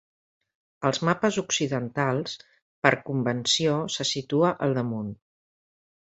Als mapes occidentals, per convenció se situa al damunt.